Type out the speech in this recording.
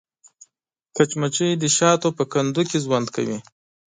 مچمچۍ د شاتو په کندو کې ژوند کوي